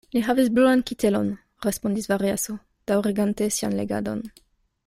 Li havis bluan kitelon, respondis Variaso, daŭrigante sian legadon.